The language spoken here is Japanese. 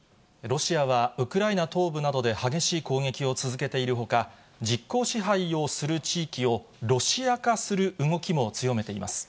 ロシアはウクライナ東部などで激しい攻撃を続けているほか、実効支配をする地域をロシア化する動きも強めています。